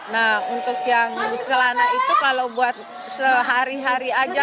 nah untuk yang celana itu kalau buat sehari hari aja